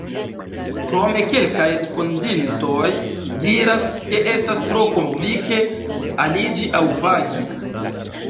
Krome kelkaj respondintoj diras, ke estas tro komplike aliĝi aŭ pagi.